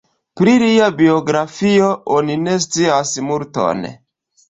Pri lia biografio oni ne scias multon.